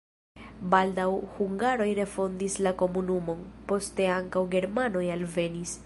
Baldaŭe hungaroj refondis la komunumon, poste ankaŭ germanoj alvenis.